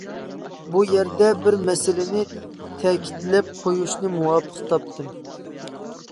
بۇ يەردە بىر مەسىلىنى تەكىتلەپ قويۇشنى مۇۋاپىق تاپتىم.